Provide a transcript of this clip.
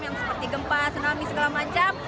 yang seperti gempa tsunami segala macam